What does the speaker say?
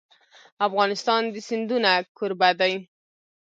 افغانستان د سیندونه کوربه دی.